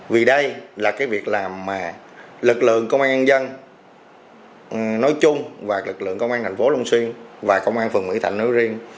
vì đây là cái việc làm mà lực lượng công an nhân dân nói chung và lực lượng công an thành phố long xuyên và công an phường mỹ thạnh nói riêng